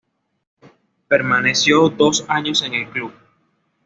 Permaneció dos años en el club.